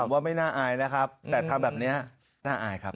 ว่าไม่น่าอายนะครับแต่ทำแบบนี้น่าอายครับ